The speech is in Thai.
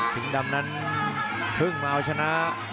ดำนั้นเพิ่งมาเอาชนะ